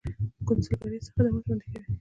کونسلګرۍ څه خدمات وړاندې کوي؟